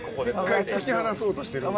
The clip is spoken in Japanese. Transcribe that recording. １回突き放そうとしてる。